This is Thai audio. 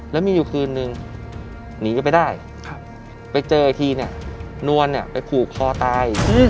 แล้วมีอยู่คืนนึงหนีก็ไปได้ไปเจออีกทีเนี่ยนวลไปผูกคอตาย